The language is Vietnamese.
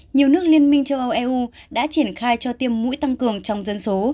nhiều nước liên minh châu âu eu đã triển khai cho tiêm mũi tăng cường trong dân số